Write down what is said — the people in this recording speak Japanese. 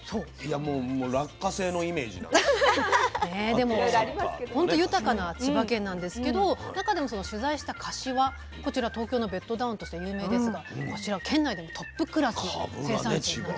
でもほんと豊かな千葉県なんですけど中でも取材した柏こちら東京のベッドタウンとして有名ですがこちら県内でもトップクラスの生産地なんですよ。